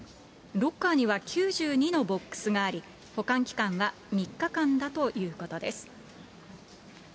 ロッカーには９２のボックスがあり、保管期間は３日間だということです。